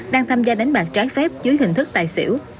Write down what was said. đang tham gia đánh bạc trái phép dưới hình thức tài xỉu